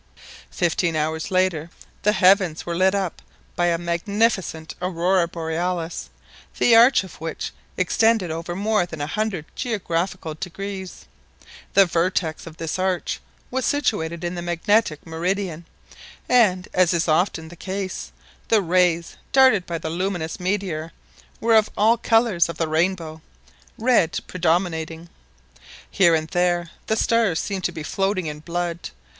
Fifteen hours later the heavens were lit up by a magnificent Aurora Borealis, the arch of which extended over more than a hundred geographical degrees. The vertex of this arch was situated in the magnetic meridian, and, as is often the case, the rays darted by the luminous meteor were of all the colours of the rainbow, red predominating. Here and there. the stars seemed to be floating in blood.